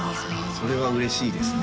それは嬉しいですね